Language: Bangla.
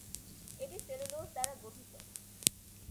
এটি সেলুলোজ দ্বারা গঠিত।